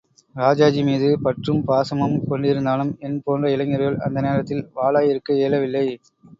ராஜாஜி மீது பற்றும் பாசமும் கொண்டி ருந்தாலும் என் போன்ற இளைஞர்கள் அந்த நேரத்தில் வாளாயிருக்க இயலவில்லை.